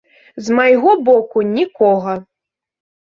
З майго боку нікога!